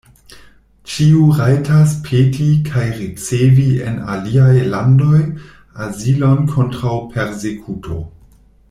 Ĉiu rajtas peti kaj ricevi en aliaj landoj azilon kontraŭ persekuto.